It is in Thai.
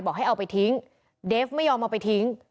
ให้เอาไปทิ้งเดฟไม่ยอมเอาไปทิ้ง